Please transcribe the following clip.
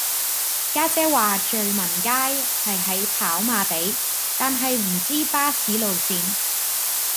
家姐話聚文街係喺跑馬地但係唔知巴士路線